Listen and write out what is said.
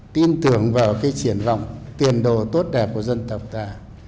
tin tưởng vào cái triển vọng tiền đồ tốt đẹp của dân tộc ta